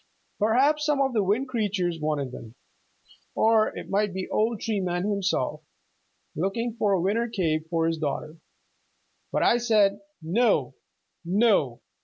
Perhaps some of the Wind Creatures wanted them, or it might be old Tree Man himself, looking for a winter cape for his daughter. But I said, 'No, no.